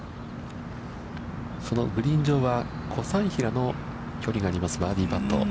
そのグリーン上は小斉平の距離がありますバーディーパット。